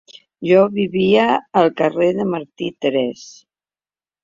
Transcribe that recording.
Jo vivia al Carrer de Martí tres.